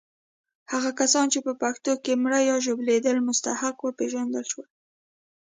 هغه کسان چې په پېښو کې مړه یا ژوبلېدل مستحق وپېژندل شول.